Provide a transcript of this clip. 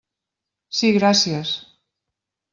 Sí, gràcies.